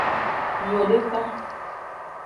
Miwodeka.